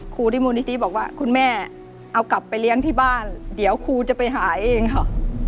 ครูที่มูลนิธิบอกว่าคุณแม่เอากลับไปเลี้ยงที่บ้านเดี๋ยวครูจะไปหาเองค่ะ